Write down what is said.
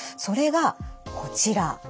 それがこちら。